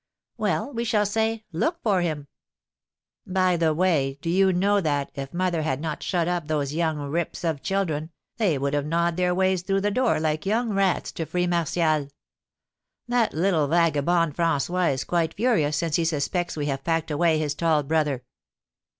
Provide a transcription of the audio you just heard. "Well, we shall say, 'Look for him.'" "By the way, do you know that, if mother had not shut up those young 'rips' of children, they would have gnawed their ways through the door, like young rats, to free Martial? That little vagabond François is quite furious since he suspects we have packed away his tall brother."